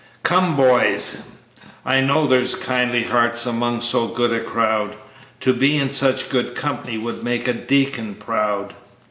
"Come, boys, I know there's kindly hearts among so good a crowd To be in such good company would make a deacon proud.